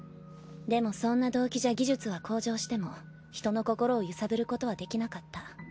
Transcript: でもそんな動機じゃ技術は向上しても人の心を揺さぶることはできなかった。